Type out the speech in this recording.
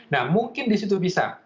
nah mungkin di situ bisa